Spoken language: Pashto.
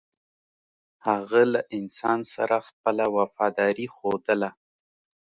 هغه له انسان سره خپله وفاداري ښودله.